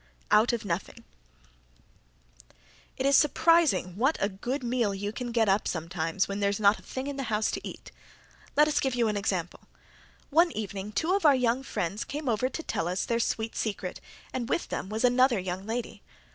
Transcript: Out of Nothing It is surprising what a good meal you can get up sometimes when "there's not a thing in the house to eat." Let us give you an example. One evening two of our young friends came over to tell us their sweet secret, and with them was another young lady.